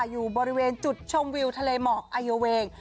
อยู่บริเวณจุดชมวิวทะเลหมอกอายุเวง